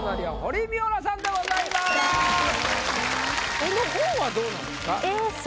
絵の方はどうなんですか？